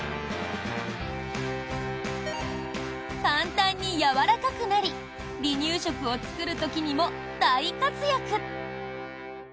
簡単にやわらかくなり離乳食を作る時にも大活躍！